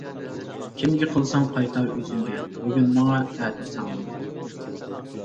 كىمگە قىلساڭ قايتار ئۆزۈڭگە، بۈگۈن ماڭا ئەتە ساڭىمۇ.